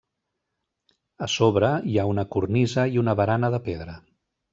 A sobre hi ha una cornisa i una barana de pedra.